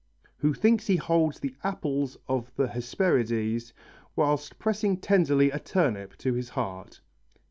Who thinks he holds the apples of the Hesperides Whilst pressing tenderly a turnip to his heart.